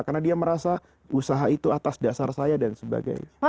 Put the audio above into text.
karena dia merasa usaha itu atas dasar saya dan sebagainya